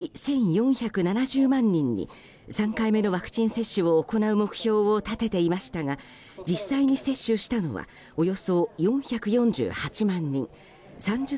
政府は１月中に１４７０万人に３回目のワクチン接種を行う目標を立てていましたが実際に接種したのはおよそ４４８万人。